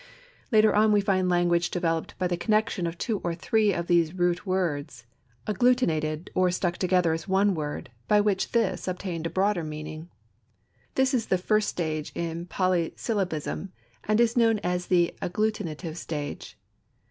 Later on we find language developed by the connection of two or three of these root words, agglutinated, or stuck together as one word, by which this obtained a broader meaning. This is the first stage in polysyllabism, and is known as the agglutinative stage.